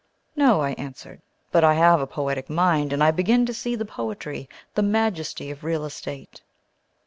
"No," I answered, "but I have a poetic mind, and I begin to see the poetry, the majesty, of real estate."